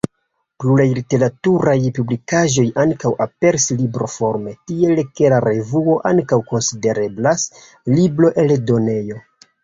Pluraj literaturaj publikaĵoj ankaŭ aperis libroforme, tiel ke la revuo ankaŭ konsidereblas libroeldonejo.